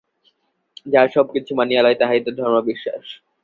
যাহা সব কিছু মানিয়া লয়, তাহাই তো ধর্মবিশ্বাস।